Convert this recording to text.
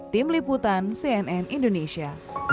tim liputan cnn indonesia